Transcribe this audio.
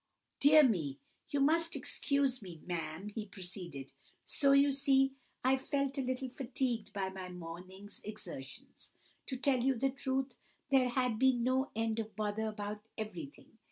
"Dear me, you must excuse me, ma'am," he proceeded. "So, you see, I felt a little fatigued by my morning's exertions, (to tell you the truth, there had been no end of bother about everything!)